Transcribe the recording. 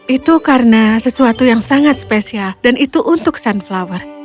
itu karena sesuatu yang sangat spesial dan itu untuk sunflower